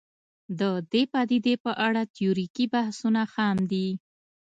د دې پدیدې په اړه تیوریکي بحثونه خام دي